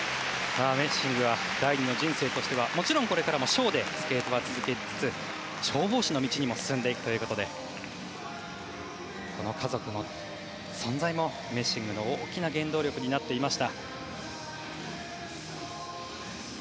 メッシングは第二の人生としてはもちろん、これからもショーでスケートは続けつつ消防士の道にも進んでいくということで家族の存在も、メッシングの大きな原動力になっていました。